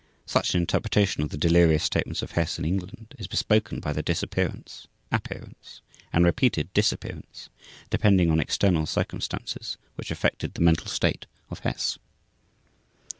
Such an interpretation of the delirious statements of Hess in England is bespoken by their disappearance, appearance, and repeated disappearance depending on external circumstances which affected the mental state of Hess.